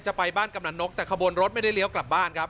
จะไปบ้านกำนันนกแต่ขบวนรถไม่ได้เลี้ยวกลับบ้านครับ